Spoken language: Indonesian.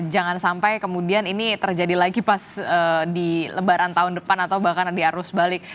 jangan sampai kemudian ini terjadi lagi pas di lebaran tahun depan atau bahkan di arus balik